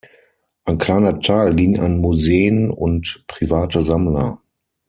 Ein kleiner Teil ging an Museen und private Sammler.